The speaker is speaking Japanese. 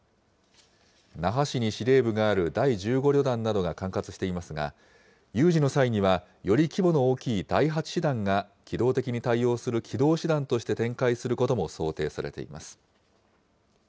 那覇市に司令部がある第１５旅団などが管轄していますが、有事の際にはより規模の大きい第８師団が機動的に対応する機動師団として展開することも想定されています。